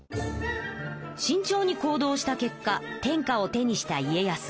しんちょうに行動した結果天下を手にした家康。